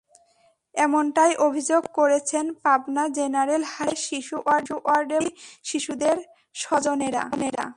এমনটাই অভিযোগ করেছেন পাবনা জেনারেল হাসপাতালের শিশু ওয়ার্ডে ভর্তি শিশুদের স্বজনেরা।